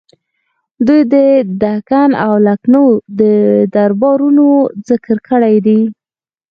دوی د دکن او لکنهو د دربارونو ذکر کړی دی.